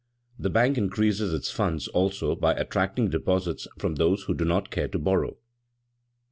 The bank increases its funds also by attracting deposits from those who do not care to borrow.